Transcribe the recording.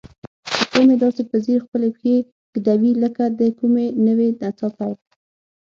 پیشو مې داسې په ځیر خپلې پښې ږدوي لکه د کومې نوې نڅا پیل.